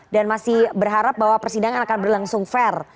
dan masih berharap bahwa persidangan akan berlangsung fair